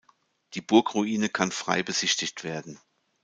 Die Burgruine kann frei besichtigt werden.